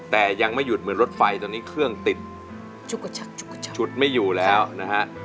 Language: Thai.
แต่ยังไม่หยุดเหมือนรถไฟตอนนี้เครื่องติดชุกกระชักฉุดไม่อยู่แล้วนะฮะ